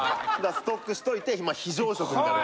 ストックしといて非常食みたいな。